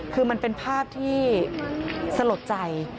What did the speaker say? คือมันเป็นภาพที่สะหรับใจ